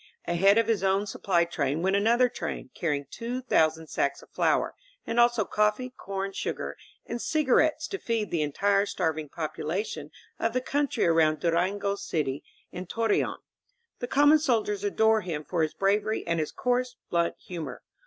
Ahead of his own sup ply train went another train, carrying two thousand sacks of flour, and also coffee, corn, sugar, and cigar ettes to feed the entire starving population of the country around Durango City and Torreon. The common soldiers adore him for his bravery and his coarse, blunt humor.